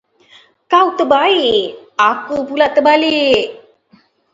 Kau terbaik! aku pulak terbalik.